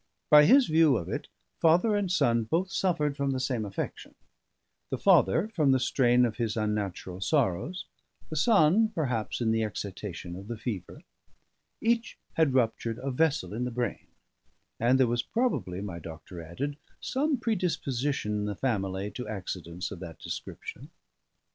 By his view of it, father and son both suffered from the same affection: the father from the strain of his unnatural sorrows the son, perhaps in the excitation of the fever; each had ruptured a vessel in the brain, and there was probably (my doctor added) some predisposition in the family to accidents of that description.